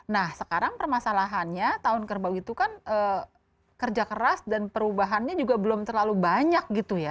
nah sekarang permasalahannya tahun ke dua itu kan kerja keras dan perubahannya juga belum terlalu banyak